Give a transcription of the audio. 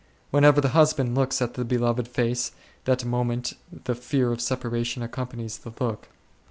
Whenever the husband looks at the beloved face, that moment the fear of separation accompanies the look.